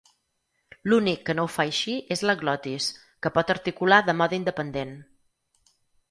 L'únic que no ho fa així és la glotis, que pot articular de mode independent.